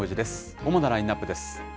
主なラインナップです。